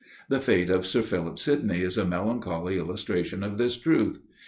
The fate of Sir Philip Sidney is a melancholy illustration of this truth.